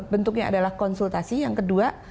bentuknya adalah konsultasi yang kedua